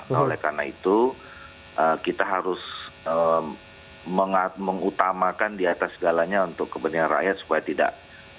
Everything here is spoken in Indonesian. nah oleh karena itu kita harus mengutamakan di atas segalanya untuk kepentingan rakyat supaya tidak